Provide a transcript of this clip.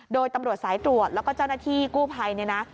โดยตำรวจสายตรวจแล้วก็เจ้าหน้าที่กู้ภัยเนี่ยนะ